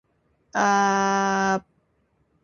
Segelas kopi meredakan sakit kepalaku.